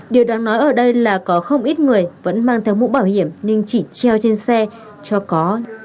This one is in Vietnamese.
điều đáng nói ở đây là có không ít người vẫn mang theo mũ bảo hiểm nhưng chỉ treo trên xe cho có